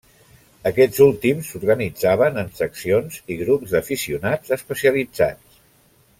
Aquests últims s'organitzaven en seccions i grups d'aficionats especialitzats.